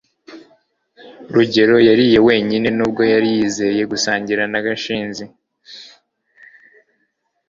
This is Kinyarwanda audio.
rugeyo yariye wenyine nubwo yari yizeye gusangira na gashinzi